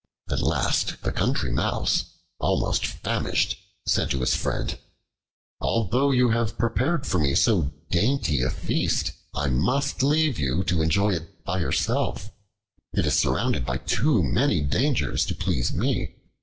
At last the Country Mouse, almost famished, said to his friend: "Although you have prepared for me so dainty a feast, I must leave you to enjoy it by yourself. It is surrounded by too many dangers to please me.